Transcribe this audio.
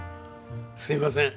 すいません。